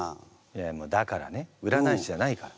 いやだからね占い師じゃないから。